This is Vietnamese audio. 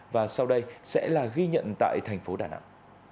và sau đây sẽ là ghi nhận tại thành phố đà nẵng